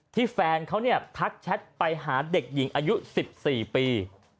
แฟนเขาเนี่ยทักแชทไปหาเด็กหญิงอายุ๑๔ปี